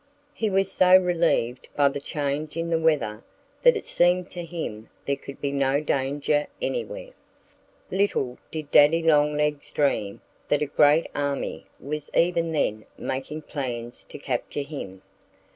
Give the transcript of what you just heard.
He was so relieved by the change in the weather that it seemed to him there could be no danger anywhere. Little did Daddy Longlegs dream that a great army was even then making plans to capture him.